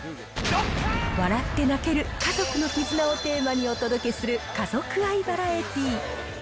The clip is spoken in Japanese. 笑って泣ける、家族の絆をテーマにお届けする、家族愛バラエティ。